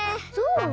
そう？